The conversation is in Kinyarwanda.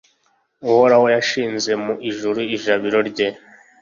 uhoraho yashinze mu ijuru ijabiro rye